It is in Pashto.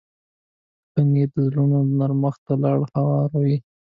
ښه نیت د زړونو نرمښت ته لار هواروي.